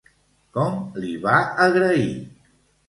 Com li va agrair?